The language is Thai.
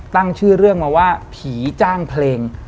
ตั้งชื่อเรื่องมาว่าผีจ้างเพลง